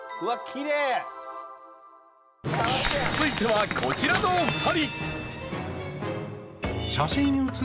続いてはこちらの２人。